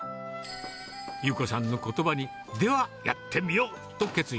優子さんのことばに、では、やってみようと決意。